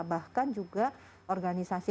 bahkan juga organisasi